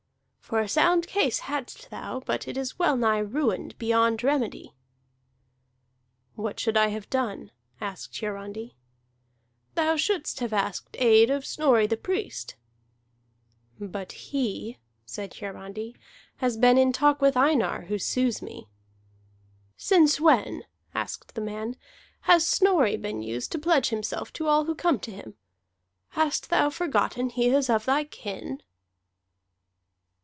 For a sound case hadst thou, but it is well nigh ruined beyond remedy." "What should I have done?" asked Hiarandi. "Thou shouldst have asked aid of Snorri the Priest." "But he," said Hiarandi, "has been in talk with Einar, who sues me." "Since when," asked the man, "has Snorri been used to pledge himself to all who come to him? Hast thou forgotten he is of thy kin?"